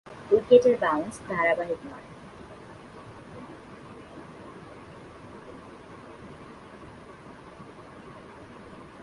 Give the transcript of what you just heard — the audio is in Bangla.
উইকেটের বাউন্স ধারাবাহিক নয়।